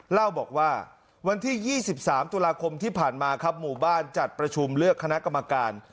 เล่าบอกว่าวันที่๒๓ตุลาคมที่ผ่านมาครับหมู่บ้านจัดประชุมเลือกคณะกรรมการ